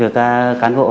lặp vào thành khẩu sổ